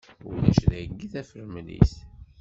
Ulac dayi tafremlit.